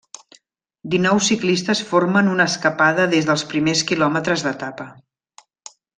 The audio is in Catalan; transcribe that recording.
Dinou ciclistes formen una escapada des dels primers quilòmetres d'etapa.